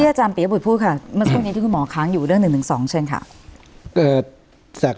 อาจารย์ปิวบุตรพูดที่คุณหมอค้างอยู่เรื่องเรื่องหนึ่งสอง